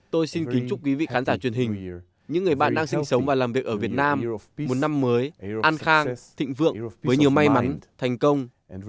tôi xin kính chúc quý vị khán giả truyền hình những người bạn đang sinh sống và làm việc ở việt nam một năm mới an khang thịnh vượng với nhiều may mắn thành công